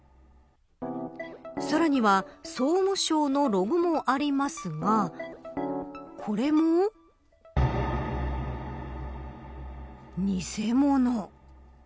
さらには総務省のロゴもありますがこれも偽物。